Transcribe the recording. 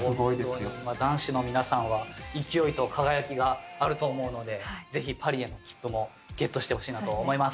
男子の皆さんは勢いと輝きがあると思うのでぜひパリへの切符もゲットしてほしいなと思います。